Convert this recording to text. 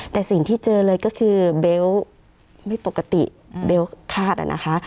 แต่สิ่งที่เจอเลยก็คือเบลต์ไม่ปกติเบลคาดอะนะคะ